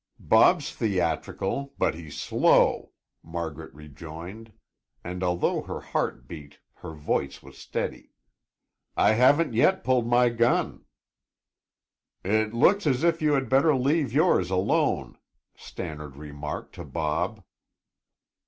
"Bob's theatrical; but he's slow," Margaret rejoined, and although her heart beat her voice was steady. "I haven't yet pulled my gun." "It looks as if you had better leave yours alone," Stannard remarked to Bob.